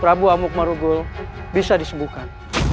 prabu amuk marugul bisa disembuhkan